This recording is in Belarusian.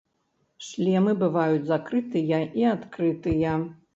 Шлемы бываюць закрытыя і адкрытыя.